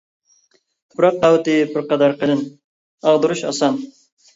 تۇپراق قەۋىتى بىرقەدەر قېلىن، ئاغدۇرۇش ئاسان.